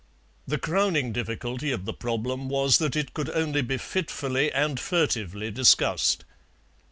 The crowning difficulty of the problem was that it could only be fitfully and furtively discussed.